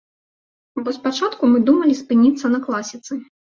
Бо спачатку мы думалі спыніцца на класіцы.